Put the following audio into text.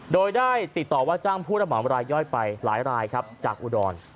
โดยได้ติดต่อว่าจ้างผู้รับเหมาไร้ย้อยไปหลายจากอุดร